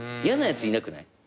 やなやついなくない？